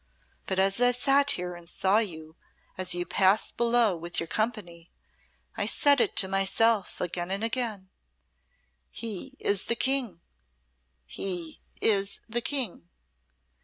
_ But as I sate here and saw you as you passed below with your company, I said it to myself again and again, 'He is the King he is the King!'"